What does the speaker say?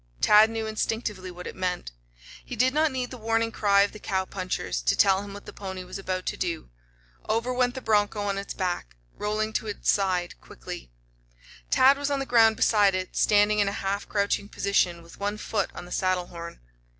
Tad knew instinctively what it meant. He did not need the warning cry of the cowpunchers to tell him what the pony was about to do. Over went the broncho on its back, rolling to its side quickly. Tad was on the ground beside it, standing in a half crouching position, with one foot on the saddle horn.